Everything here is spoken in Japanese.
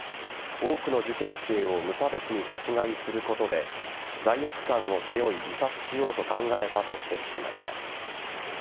多くの受験生を無差別に殺害することで罪悪感を背負い自殺しようと考えたと指摘しました。